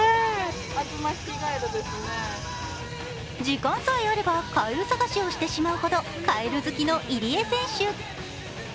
時間さえあれば、カエル探しをしてしまうほどカエル好きの入江選手。